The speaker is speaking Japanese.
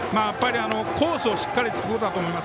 コースをしっかり突くことだと思います。